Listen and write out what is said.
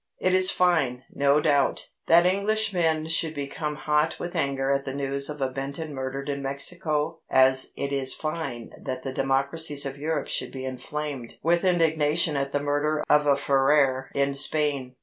It is fine, no doubt, that Englishmen should become hot with anger at the news of a Benton murdered in Mexico as it is fine that the democracies of Europe should be inflamed with indignation at the murder of a Ferrer in Spain.